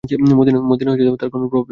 মদীনায় তার তেমন কোন প্রভাব ছিল না।